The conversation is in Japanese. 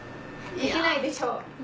できないでしょ。